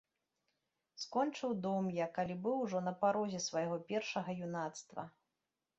Скончыў дом я, калі быў ужо на парозе свайго першага юнацтва.